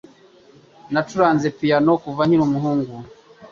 Nacuranze piyano kuva nkiri umuhungu.